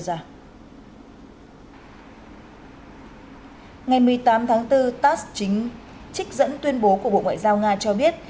ngày một mươi tám tháng bốn tass chính trích dẫn tuyên bố của bộ ngoại giao nga cho biết